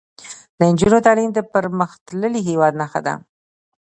د نجونو تعلیم د پرمختللي هیواد نښه ده.